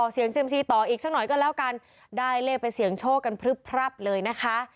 เสียงเซียมซีต่ออีกสักหน่อยก็แล้วกันได้เลขไปเสี่ยงโชคกันพลึบพรับเลยนะคะ